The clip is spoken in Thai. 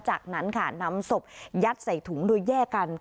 จากนั้นค่ะนำศพยัดใส่ถุงโดยแยกกัน